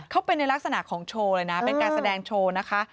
เขาเป็นในลักษณะของโชว์เลยนะเป็นการแสดงโชว์นะคะ